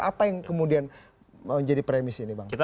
apa yang kemudian menjadi premis ini bang